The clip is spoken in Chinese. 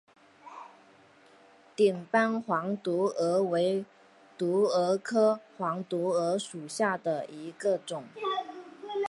顶斑黄毒蛾为毒蛾科黄毒蛾属下的一个种。